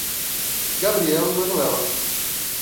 Gabriel e Manuela